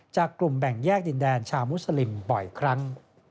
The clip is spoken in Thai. จากกลุ่มแบ่งแยกดินแดนชาวมุสลิมบ่อยครั้ง